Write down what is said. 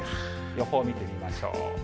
予報見てみましょう。